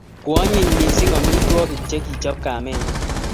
Koanyiny missing' amitwogik che kichop kamennyu